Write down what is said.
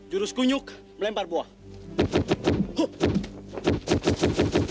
juros kunyuk melempar buah